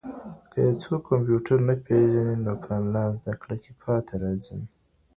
که یو څوک کمپیوټر نه پېژني نو په آنلاین زده کړه کي پاته راځي.